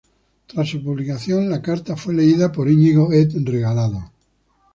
Tras su publicación, la carta fue leída por Iñigo Ed Regalado.